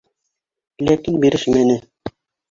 Ләкин бирешмәне.